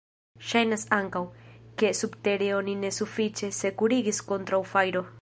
Ŝajnas ankaŭ, ke subtere oni ne sufiĉe sekurigis kontraŭ fajro.